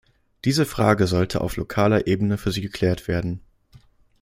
Diese Frage sollte auf lokaler Ebene für sie geklärt werden.